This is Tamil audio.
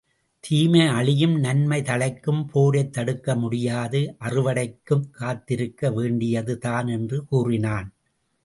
தீமை அழியும், நன்மை தழைக்கும் போரைத் தடுக்க முடியாது அறுவடைக்குக் காத்திருக்க வேண்டியது தான் என்று கூறினான்.